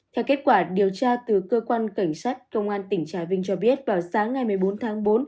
theo kết quả điều tra từ cơ quan cảnh sát công an tỉnh trà vinh cho biết vào sáng ngày một mươi bốn tháng bốn